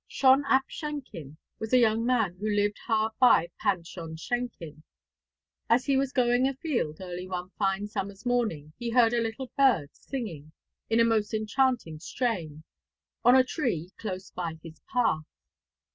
Shon ap Shenkin was a young man who lived hard by Pant Shon Shenkin. As he was going afield early one fine summer's morning he heard a little bird singing, in a most enchanting strain, on a tree close by his path.